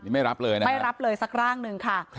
นี่ไม่รับเลยนะไม่รับเลยสักร่างหนึ่งค่ะ